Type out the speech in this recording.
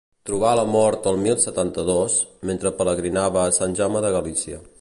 Trobà la mort el mil setanta-dos, mentre pelegrinava a Sant Jaume de Galícia.